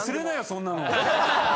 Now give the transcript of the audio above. そんなの。